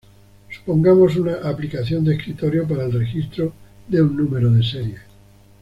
Supongamos una aplicación de escritorio para el registro de un número de serie.